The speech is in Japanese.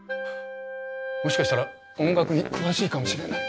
もしかしたら音楽に詳しいかもしれない。